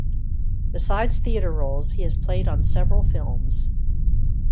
Besides theatre roles he has played on several films.